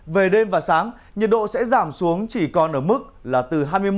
về đêm và sáng nhiệt độ sẽ giảm xuống chỉ còn ở mức là từ hai mươi một độ